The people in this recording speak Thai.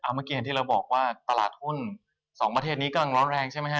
เมื่อกี้เห็นที่เราบอกว่าตลาดหุ้น๒ประเทศนี้กำลังร้อนแรงใช่ไหมฮ